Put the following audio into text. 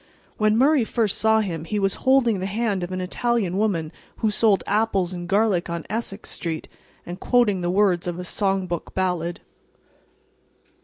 When Murray first saw him he was holding the hand of an Italian woman who sold apples and garlic on Essex street, and quoting the words of a song book ballad.